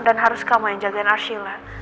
dan harus kamu yang jagain arshila